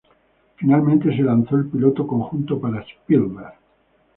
Finalmente, se lanzó el piloto conjunto para Spielberg.